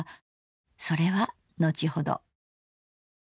それは後ほど。